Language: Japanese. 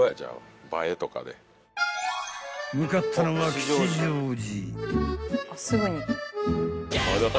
［向かったのは吉祥寺］